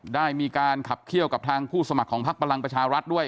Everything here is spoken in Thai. ได้มีการขับเขี้ยวกับทางผู้สมัครของพักพลังประชารัฐด้วย